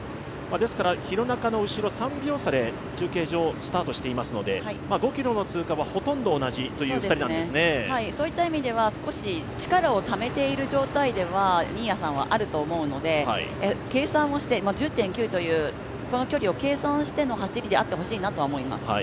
廣中の後ろ３秒差で中継所をスタートしていますので５ｋｍの通過はほとんど同じという２人なんですね少し力をためている状態では新谷さんはあると思うので、１０．９というこの距離を計算してのことだといいと思っています。